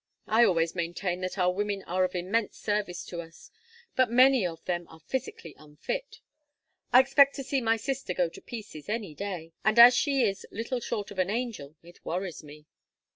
I always maintain that our women are of immense service to us, but many of them are physically unfit. I expect to see my sister go to pieces any day, and as she is little short of an angel it worries me."